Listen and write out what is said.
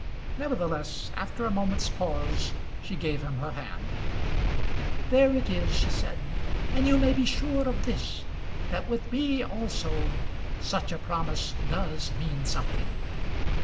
Nevertheless, after a moment's pause, she gave him her hand. "There it is," she said; "and you may be sure of this, that with me also such a promise does mean something.